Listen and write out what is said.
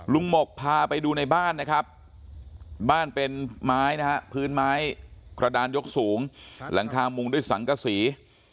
หมกพาไปดูในบ้านนะครับบ้านเป็นไม้นะฮะพื้นไม้กระดานยกสูงหลังคามุงด้วยสังกษี